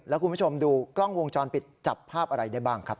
แล้วคุณผู้ชมดูกล้องวงจรปิดจับภาพอะไรได้บ้างครับ